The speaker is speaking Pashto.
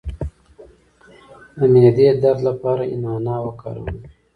د معدې درد لپاره نعناع وکاروئ